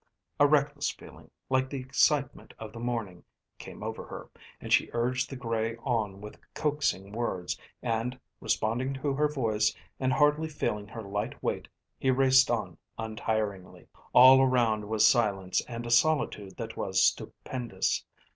A reckless feeling, like the excitement of the morning, came over her, and she urged the grey on with coaxing words, and responding to her voice, and hardly feeling her light weight, he raced on untiringly. All around was silence and a solitude that was stupendous.